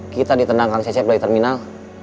kita ditendangkan cecep dari terminal